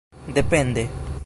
depende